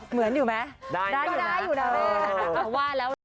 เหมือนอยู่ไหมได้อยู่นะ